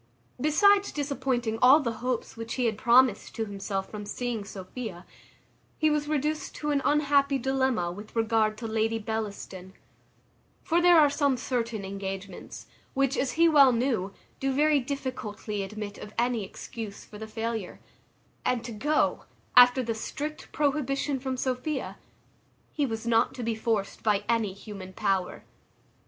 Besides disappointing all the hopes which he promised to himself from seeing Sophia, he was reduced to an unhappy dilemma, with regard to Lady Bellaston; for there are some certain engagements, which, as he well knew, do very difficultly admit of any excuse for the failure; and to go, after the strict prohibition from Sophia, he was not to be forced by any human power.